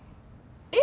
え？